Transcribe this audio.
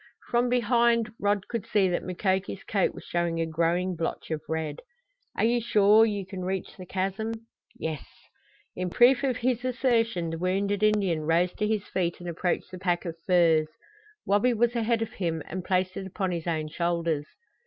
From behind Rod could see that Mukoki's coat was showing a growing blotch of red. "Are you sure you can reach the chasm?" "Yes." In proof of his assertion the wounded Indian rose to his feet and approached the pack of furs. Wabi was ahead of him, and placed it upon his own shoulders.